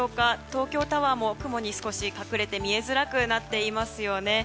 東京タワーも雲の少し隠れて見えづらくなっていますね。